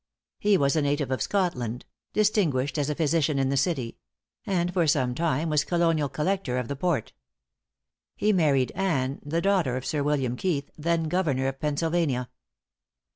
He was a native of Scotland; distinguished as a physician in the city; and for some time was colonial collector of the port. He married Anne, the daughter of Sir William Keith, then Governor of Pennsylvania.